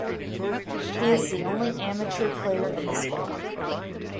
He is the only amateur player of the squad.